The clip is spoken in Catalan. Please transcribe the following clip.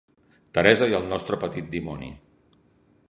Teresa i el nostre petit dimoni.